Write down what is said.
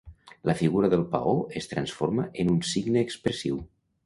La figura del paó es transforma en un signe expressiu.